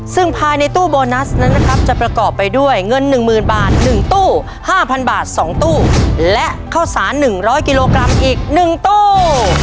ซึ่งภายในตู้โบนัสนั้นนะครับจะประกอบไปด้วยเงิน๑๐๐๐บาท๑ตู้๕๐๐บาท๒ตู้และข้าวสาร๑๐๐กิโลกรัมอีก๑ตู้